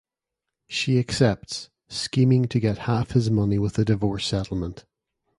She accepts, scheming to get half his money with a divorce settlement.